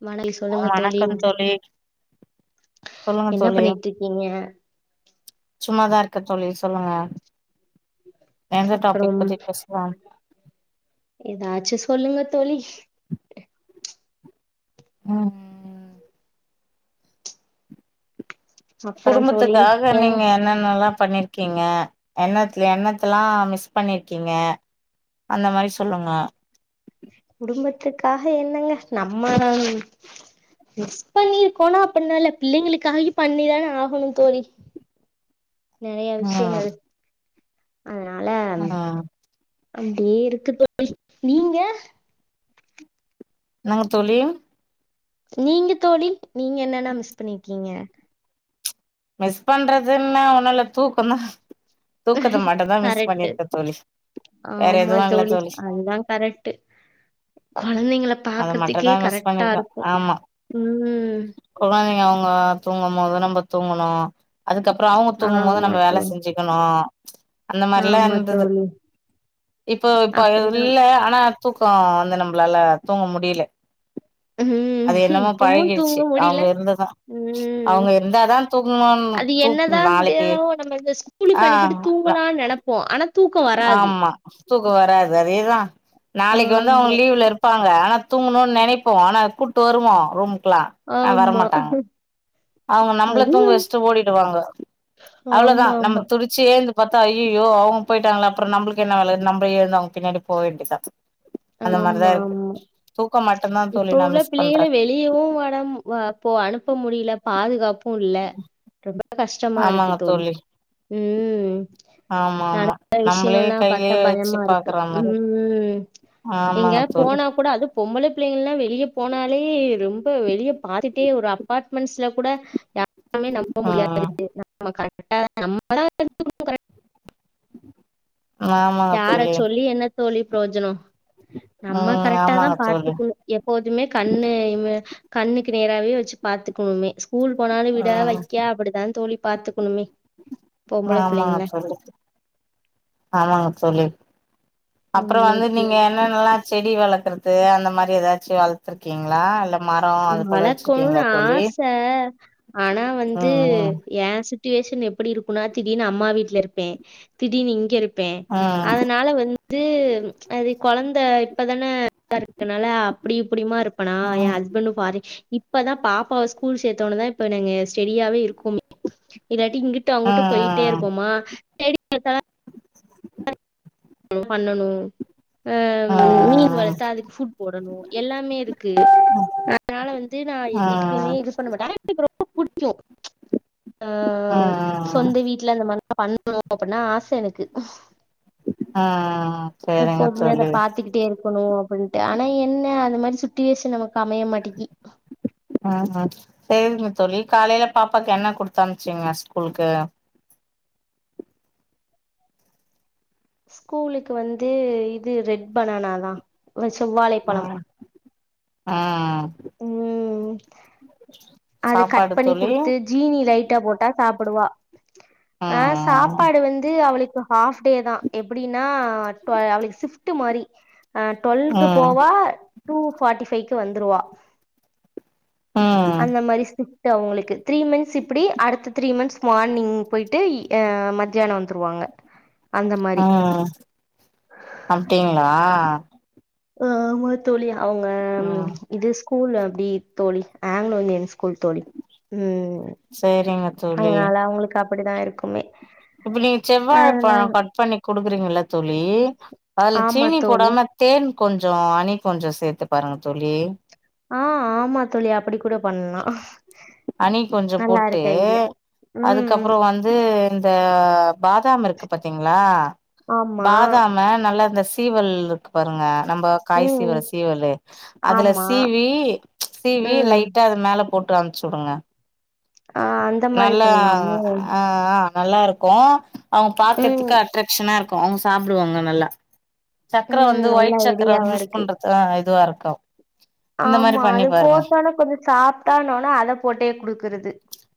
[unintelligible] சொல்லுங்க தோழி சொல்லுங்க என்ன தோழி பண்ணிட்ருக்கீங்க சும்மாதா இருக்க தோழி சொல்லுங்க எந்த டாபிக் அப்பறம் பத்தி பேசலா எதாச்சு சொல்லுங்க தோழி ம் ம் ம் அப்புறம் தோழி குடும்பத்துக்காக என்ன நீங்க என்னென்னெல்லா பண்ணிருக்கீங்க என்னத்ல என்னத்தலா மிஸ் பண்ணிருக்கீங்க அந்த மாரி சொல்லுங்க குடும்பத்துக்காக என்னங்க நம்ம மிஸ் பண்ணிருக்கோனா அப்புன்லா இல்ல பிள்ளைங்களுக்காகயு பண்ணிதானே ஆகனு தோழி நெறைய ம் விஷயங்கள் அதுனால ம் அப்டியே இருக்கு தோழி நீங்க என்னாங்க தோழி நீங்க தோழி நீங்க என்னன்னா மிஸ் பண்ணிருக்கீங்க? மிஸ் பண்றதுன்னா ஒன்னுல்ல தூக்கொந்தா தூக்கத்த மட்டு தாமிஸ் கரெக்ட்டு பண்ணிருக்கே தோழி வேற ஆமா எதுவு இல்ல தோழி அதுதா கரெக்ட்டு கொழந்தைங்கள அத மட்டு பாக்குறதுக்கே தா மிஸ் கரெக்டா பண்ணிருக்க இருக்கு ஆமா ம் குழந்தைங்க அவுங்க தூங்கம் மொத நம்ப தூங்கனு அதுக்கப்ற அவுங்க தூங்கும் போது ஆமா நம்ப வேல தோழி செஞ்சுக்கனு அந்த மாரிலா ஆமா இருந்தது தோழி இப்போ இப்ப அப்படிதான். இல்ல ஆனா தூக்கொ வந்து நம்பளால தூங்க முடில ம். அது என்னமோ இப்பவும் பழகிருச்சு தூங்க முடியல. அவுங்க இருந்துதா ம். அவுங்க இருந்தாதா தூங்கணுனு அது தூக் என்னதா நாளைக்கு [unintelligible] நம்ம இந்த ஆ ஸ்கூலுக்கு அனுப்பிட்டு தூங்கலான் நெனப்போ ஆனா தூக்கம் வராது. ஆமா தூக்க வராது அதேதா நாளைக்கு வந்து அவுங்க ஆமா, லீவ்ல இருப் பாங்க ஆனா தூங்கணுன் நெனைப்போ ஆனா கூட்டு வருவோ ரூம் க்குலா ஆனா ஆமா. வரமாட்டாங்க அவுங்க நம்பள தூங்க அதுவும் வச்சுட்டு ஓடிடுவாங்க அவ்ளதா நம்ம ஆமாமா. துடிச்சு‌ ஏந்து பாத்தா ஐயையோ அவுங்க போயிட்டாங்லே அப்ற நம்பளுக்கு என்ன வேலன் நம்ம எழுந்து அவுங் மாரிதா ஆமா இருக்கு ஆமா தூக்கம் மட்டுந்தா இப்ப தோழி நா உள்ள மிஸ் பிள்ளைகள பண்றே வெளியவு வடம் வ போ அனுப்ப முடில பாதுகாப் புல்ல ரொம்ப கஷ்டமா இருக்கு தோழி அது ஆமா ஆமா நம்மளே கையிலே வச்சு பாக்குறா ம்ம் எங்காது தோழி போனா கூட அது பொம்பள பிள்ளைங்கல்லா வெளிய போனாலே ரொம்ப வெளிய பாதிட் டீ ஒரு அபாட்மெண்ட்ஸ்ல கூட எல்லாமே நம்ப முடியாது ம் நம் ம கரெக்ட் கரெக்டா நம்ம தா இருந்து கரெட் ஆமா தோழி என்ன தோழி பிரோஜனோ நம்ம ம் கரெக்டாதா ஆமாங்க தோழி பாத்துக்கணு எப்போதுமே கண்ணு இம கண்ணுக்கு நேராவே வச்சு பாத்துக்கோமே கூல் போனாலு விட ம் வக்கா அப்டிதா தோழி பாத்துக்கணுமே பொம்பள ஆமாங்க பிள்ளைங்கள தோழி ஆமாங்க தோழி அப்பறம் ஆமா வந்து நீங்க தோழி என்னென்னல்லா செடி வளக்குறது அந்த மாரி ஏதாச்சும் வளத்துருக்கீங்களா இல்ல மரோ அது போல வளக்கணுனு வச்சிருக்கீங்களா தோழி ஆச ஆனா வந்து ம் ஏ சுட்டிவேஷன் எப் அப்டி இருக்கும்னா திடீனு அம்மா வீல இருப்பே திடீனு இங்க இருப் ப்பே ம் அதனால வந்து இது அது கொழந்த இப்பதானே இருக்கனால அப்டிஇப்டியமா இருப்பனா என் ம் ஹஸ்பண்டு பாரு இப்பதா பாப்பாவ ஸ்கூல் சேத்தோனதா இப்பங்க ஸ்டெடியாவே இருக்குமே இல்ல இங்கிட்டு ம் அங்கிட்டு போயிட்டே ம் இருப்போமா தேடி பாத்தானா அ பண்ணணு அ மீன் ம் வளத்தா அதுக்கு ஃபுட் போடணு எல்லாமே இருக்கு அதனால வந்து நா ம் ம் எதுக்குமே ம் இது பண்ண மாட்டே [unintelligible] இப்ப புடிக்கு அஅ உ ம் ம் சொந்த வீட்ல அந்த மாரி பண்ணணு அப்டின்னா ஆச எனக்கு ம் சேரிங்க எப்போதுமே அத தோழி பாத்துக்கிட்டே இருக்கணு அப்டின்ட்டு ஆனா என்ன அது மாரி சொ சுட்டிவேசன் நமக் அமைய மாட்டிக்கி ம் ம் சேரிங்க தோழி காலைல பாப்பாக்கு என்ன குடுத்து அனுப்சிங்க ஸ்கூல்க்கு ஸ்கூலுக்கு வந்து இது ரெட் பனானா தா செவ்வாழை பழம் ஆ ம் அது கட் சாப்பாடு பண்ணி தோழி குடுத்து ஜீனி லைட்டா போட்டா சாப்புடுவா ஆ ம் சாப்பாடு வந்து அவளு க்கு ஹாஃப் டே தா எப்புடின்னா ட்வ அவளுக்கு சிஃப்ட்டு மாரி ஆ ட்வல்க்கு ம் போவா டூ ஃபாட்டி ஃபை ட்டு வந்துருவா ம் அந்த மாரி சி ஃப்ட்டு அவுங்களுக்கு த்ரீ மந்த்ஸ் இப்புடி அடுத்த த்ரீ மந்த்ஸ் மார்னிங் போயிட்டு அ மத்தியான வந்துருவாங்க அந்த மாரி ஆ அப்டீங்ளா ஆமா தோழி அவுங்க ம் இது ஸ் கூல் அப்டி தோழி ஆங்லோ இந்தியன் ஸ்கூல் தோழி ம் சேரிங்க தோழி அதுனால அவுங்களுக்கு அப் பிடிதா இருக்குமே இப்ப நீங்க செவ்வாழை பழ அதனால கட் பண்ணி குடுக்குறீங்கள்ல தோழி அதுல ஆமா சீனி தோழி போடாம தேன் கொஞ் சொ அனி கொஞ்சொ சேத்து பாருங்க தோழி ஆ ஆமா தோழி அப்பிடி கூட பண்லா ஹனி கொஞ்சோ போட்டு நல்லாருக்கு ஐடியா ம் ம் தா பாதாம் இருக்கு பாத்தீங்ளா ஆமா. பாதாம நல்லா இந்த சீவல்ருக்கு பாருங்க நம்ப காய் சீவுற ம். சீவலு அதுல ஆமா. சீவி சீவி ம். லைட்டா அது மேல போட்டு அம்ச்சுவுடுங்க ஆ அந்த மாரி நல்ல பண்ணலாமோ? அ ஆ நல்லா இருக்கோ அவங் ம். பாக்கறதுக்கு அட்ரக்க்ஷனா இருக்கு இப்ப அவங் சாப்பிடுவாங்க நல்லா சக்கர ம். வந்து நல்ல ஒயிட் சக்கர வந்து ஐடியாவா யூஸ் இருக்கு. பண்றது இதுவா இருக்கு கெள ஆமா அது போட்டனே கொஞ்ச சாப்ட்டானோனா அத போட்டே குடுக்குறது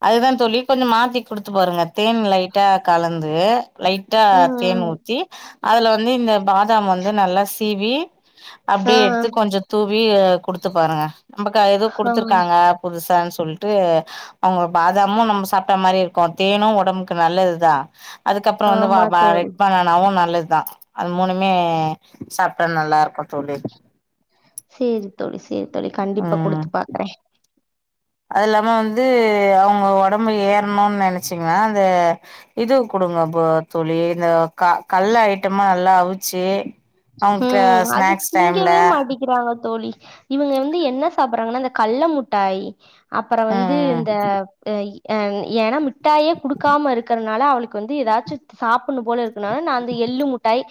அதுதா தோழி கொஞ்ச மாத்தி குடுத்து பாருங்க தேன் லைட்டா கலந்து லைட்டா ம். தேன் ம். ஊத்தி அதுல வந்து இந்த பாதாம் வந்து நல்லா சீவி ஆ. அப்டியே எடுத்து கொஞ்ச தூவி குடுத்து பாருங்க நம்மக்க எதும் ஆ. குடுத்திருக்காங்க புதுசா சொ சொல்ட்டு அ அவங்க பாதாமு நம்ம சாப்பிட்ட மாரி இருக்கு தேனும் வொடம்புக்கு நல்லதுதா அதுக்கப்பறம் வந்து வ ஆமா வா தோழி. ரெட் பணாணனாவு நல்லது தா அது மூணுமே சாப்பிட்டா நல்லா இருக்கு தோழி சேரி தோழி சே சேரி தோழி கண்டிப்பா ம் குடுத்து பாக்குறே அது இல்லாம வந்து அவங்க வொடம்பு ஏற ரணும்னு நெனச்சிங்கன அந்த இது குடுங்க அப்போ தோழி இந்த க கல்ல ஐட்டமா நல்லா அவிச்சு அவங்க கும் அது ஸ்நாக்ஸ் டைம்ல திங்கவே மாட்டிக்கிறாங்க தோழி இவங்க வந்து என்ன சாப்பறாங்கன்னா அந்த கல்ல முட்டாய் அப்பறம் வந்து ம் இந்த [unintelligible] அ எடம் விட் டாயே குடுக்காம இருக்கிறனால அவ இதுக்கு வந்து ஏதாச்சு சாப்புன்னு போல இருக்குனா நா அந்த எள்ளு முட் ட்டாய்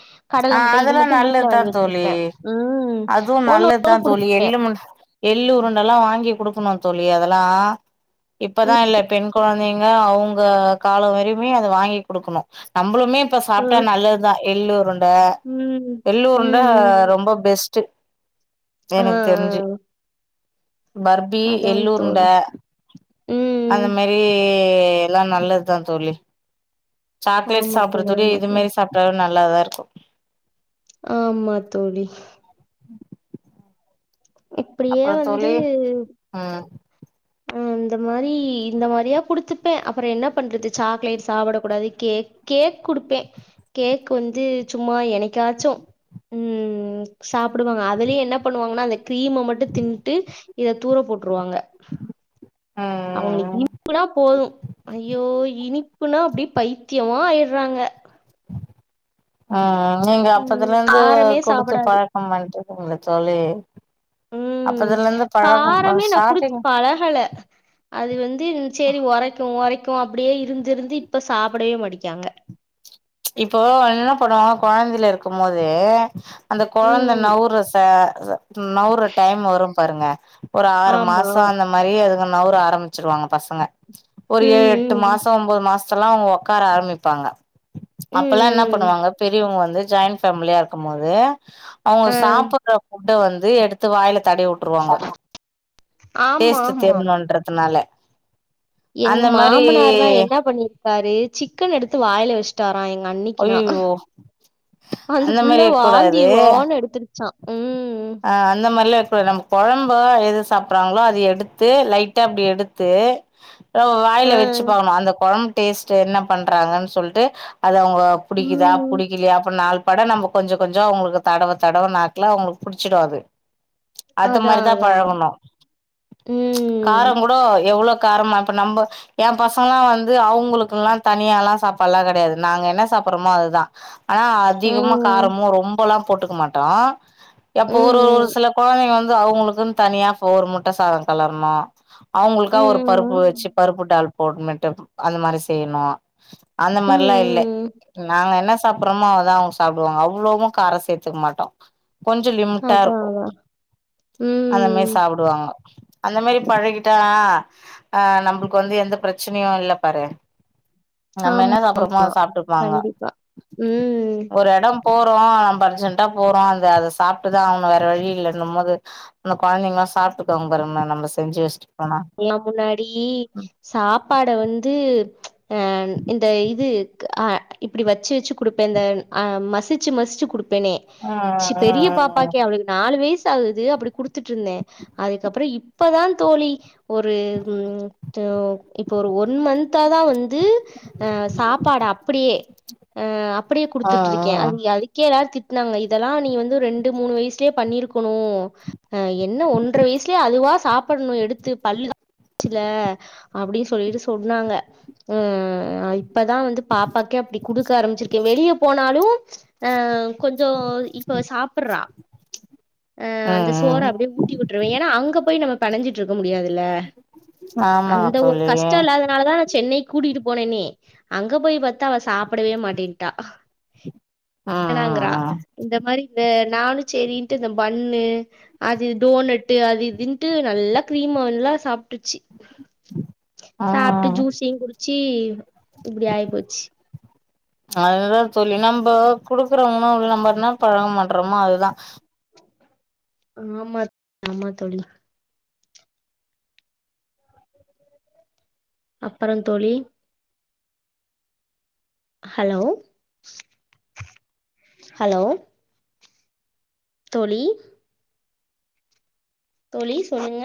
ஆ கடல முட்டாய் இது அதெல்லா மட் த்து வீட்ல நல்லதுதா வாங்கி தோழி வச்சுருப்பே ம் அதுவு ஒண்ணு நல்லதுதா ஒண்ணு தோழி குடுப்பே எள்ளு முண் எள்ளு உருண்டெல்லா வாங்கி குடுக்கணு தோழி அதெல்லா இப்பதா இல்ல பெண் குழந்தைங்க அவங்க காலோ வரையுமே அது வாங்கி குடுக்கணு நம் ம்பளுமே இப்ப சாப்புட்டா நல்லதுதா எள்ளு உருண் னடா ம் எள்ளூருண்ட ம் ரொம்ப பெஸ் ஸ்ட்டு ஆ ஆ எனக்கு தெரிஞ்சி பர்பி அதா எள்ளுருண்ட தோழி அந்த ம் மேரி எல்லா நல்லதுதா தோழி சாக்லெட் ஆமா தோழி சாப்பறதுடே ஆமா இது தோழி மேரி சாப்ட்டாலு நல் நல்லாதா இருக்கு ஆமா தோழி அப்பிடியே அப்புறோ வந்து தோழி ம் ஆ அந்த மாரி இந்த மாரியா குடுத்துப்பே அப்புறோ என்ன பண்றது சாக்லேட் சாப்பிட கூடாது கேக் கேக் குடுப்பே கேக் வந்து சும்மா என்னிக்காச்சு ம் சாப்புடுவாங்க அதுலியே என்ன பண்ணுவாங்கன்னா அந்த கிரீம்ம மட்டு தின்னுட்டு இத தூர போட்டுருவாங்க அவங்களுக்கு ம் இனிப்புனா போது ஐயோ இனிப்புனா அப்பிடி பைத்தியமா ஆய் ராங்க ஆ ஆ நீங்க ம் அப்பதுல இருந்து காரமே கொடுத்து சாப்பிடாது பழக்கம் ஆய்ட் [unintelligible] தோழி ம் அப்பதுல இருந்து பழக்கம் காரமே நா குடுத்து ஸ்டார்டிங் பழகல அது வந்து சேரி ஒரைக்கு ஒரைக் கக்கு அப்பிடியே இருந்திருந்து இப்ப சாப்படவே மடிக்காங்க இப்போ இன்னா பண்ணுவோ கொழந்தையில இருக்கு போது அந்த கொழந்த ம் நவுரச அத நவுறு டைம் வரும் பாருங்க ஒரு ஆறு ஆமா. மாசோ அந்த மாரி அதுங்க நவுர ஆரம்பிச்சிருவாங்க பசங்க ஒரு ம், ஏழு எட்டு ம், மாசோ ஒன்பது மாஸ் ஸ்ல்லா அவங்க உக்கார ஆரம்பிப்பாங்க அப்பெல்லா இன்னா ம். பண்ணுவாங்க பெரியவங்க வந் து ஜாயின் ஃபேமிலியா இருக்கு மோது அவுங்க அ சாப்பறப்போ புட்ட வந்து எடுத்து வாயில தடவி விட்டுருவாங்க ஆமா, டேஸ்ட் ஆமா. தெரிணும்ன்றதுனால எங்க மாமனார்னா என்ன பண்ணிருக்காரு சிக்கன் எடுத்து வாயில வச்டா எங்க அன்னிக்குனா அய்யய்யோ அந்த புள்ள மாரி வாந்தி இருக்கூடாது வொன்னு எடுத்துருச்சா ம் இப்ப நம்ம கொழம்ப எது சாப்பறாங்களோ அது எடுத்து லைட்டா அப்டி எடுத்து ரோ வாயில ஆ. வச்சு பாக்கணு அந்த கொழம் டேஸ்ட் என்ன பண்றாங்கன்னு சொல்ட்டு அது அவங் போ புடிக்குதா ம். புடிக்கலயா அப்பறம் நால் பட நம்ம கொஞ்ச கொஞ்ச அவங்களுக்கு தடவ தடவ நாக்கல அவங்களுக்கு புடிச்சிடும் அது அது அதான், மாரிதா அதான். பழகணு கார ம். கூட எவ்வளோ காரமா இப்ப நம்ம என் பசங்கலா வந்து அவங்களுக்குெல்லா தனியா எல்லா சாப்பாலா கெடையாது நாங்க என்ன சாப்பறோமோ அதுதா ஆனா அதிகமா ம். காரமு ரொம்பல்லா போட்டுக்க மாட்டோ எப்ப ஒரு ஒரு ம். சில கொழந்தைங்க வந்து அவங்களுக்குனு தனியா சோறு முட்ட சாத கெலரணு அவங்களுக்கா ஒரு பருப்பு வச்சு ம். பருப்பு டால் போட்டு அந்த மாரி செய்யணு அந்த மாரிலா இல்ல ம். நாங்க என்ன சாப்பறோமோ அதா அவுங்க சாப்பிடுவாங்க அவ்வள கார சேத்தக்க மாட்டோ கொஞ்ச லிமிட்டா அதான், இருக்கு அதான். அந்த மாரி ம். சாப்பிடுவாங்க அந்த மாரி பழகிட்டா ஆ நம்மளுக்கு வந்து எந்த பிரச்சனையு இல்ல பாரு நம்ம ஆமா. என்ன சாப்பறமோ அத சாப்பிட்டு கண்டிப்பா ம்ம் எடம் போறோ நம்ம அர்ஜென்டாப் போறோ அந்த அது அத சாப்பிட் இதா ஆவனு வேற வழி இல்லன்னு போது அந்த கொழந்தைங்கலா சாப்பிட்டுக்கவங்க நம்ம செஞ்ச வச்சிட் எல்லா முன்னாடி சாப்பாட வந்து ச் அ இந்த இது அ இப்டி வச்சு வச்சு குடுப்பே இந்த அ மசிச்சு மசிச்சு குடுப்ப பெண்ணே ம் பெரிய ம் பாப்பாக்கே அவளுக்கு நாலுவயஸ் க்வுது அப்பிடி குடுத்துட்டுருந்தே அதுக்கப்புறோ இப்பதா தோழி ஒரு ம் த் இப்போ ஒரு ஒன் மந்தா தா வந் த் ஆ சாப்பாட அப்பிடியே அ அப்பிடியே ம் குடுத்துட்டு ம் இருக்கே அது அதுக்கே எல்லாரு திட் னாங்க இதெல்லா நீ வந்து ரெண்டு மூணு வயுசுலயே பண்ணிருக்கணு அ என்ன ஒன்றரை வயசுலயே அதுவா சாப்பிடணு எடுத்து பல்லுதா ச்சில்ல அப்பிடி சொல்லிட்டு சொன்னாங்க அ இப்பதா வந்து பாப்பாக்கே அப்பிடி குடுக்க ஆரம்பிச்சிருக்கே வெளிய போனாலு அ கொஞ் கொஞ்சோ இப்ப சாப்பறா ஆ ம் அந்த சோர ம் அப்பிடியே ஊட்டி விட்டுருவே ஏன்னா அங்க போய் நம்ம பனஞ்சிட்டு இருக்க முடியாது இல்ல ம் ஆமாங்க அந்த ஒரு தோழி கஷ்ட்ட ம் இல்லாதனாலதா சென்னை கூட்டிட்டு போனேனே அங்க போய் பாத்தா அவ சாப்பிடவே மாட்டேன்ட்டா வேணாங்றா ம் இந்த மாரி வே நானு சேரின்ட்டு இந்த பண்ணு அது டோனட்டு அது இதுன்ட்டு நல்லா கிரீமா நல்லா சாப்புட்டுச்சி ம் சாப்பிட்டு ம் ஜூசும் குடிச் சீ இப்பிடி ஆய்போச்சி அதுதா சொல்லி நம்ப குடுக்குறவங்கு நம்ம என்னா பழகோ பண்றோமோ அதுதா ஆமா ஆமா தோழி அப்புறோ தோழி ஹலோ ஹலோ தோழி தோழி சொல்லுங்க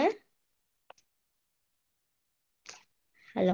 ஹலோ